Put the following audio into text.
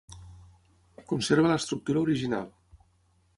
Conserva l'estructura original.